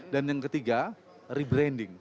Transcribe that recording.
dan yang ketiga rebranding